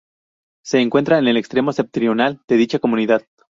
Se encuentra en el extremo septentrional de dicha comunidad.